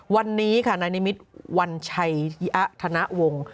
วันนี้ค่ะนายนิมิตรวัญชัยธนวงศ์